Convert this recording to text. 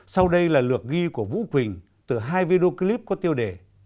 sau đây là lược ghi của vũ quỳnh từ hai video clip có tiêu đề